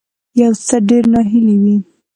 یو څه ډیر ناهیلی وي